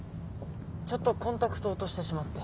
・ちょっとコンタクトを落としてしまって。